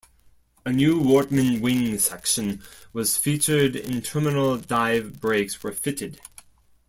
A new Wortmann wing section was featured and terminal velocity dive brakes were fitted.